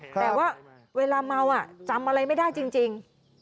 แต่ว่าเวลาเมาจำอะไรไม่ได้จริง